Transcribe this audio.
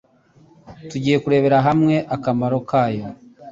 Tugiye kurebera hamwe akamaro kayo